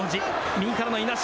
右からのいなし。